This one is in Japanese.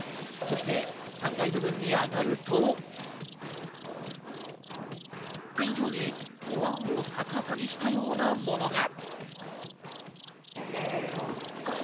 そして３階部分に上がると、天井にお椀を逆さにしたようなものが。